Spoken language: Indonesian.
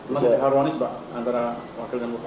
masa harmonis pak antara wakil dan bupati